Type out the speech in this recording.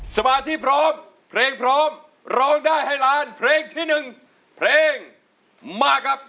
สมาธิพร้อมเพลงพร้อมร้องได้ให้ล้านเพลงที่๑เพลงมาครับ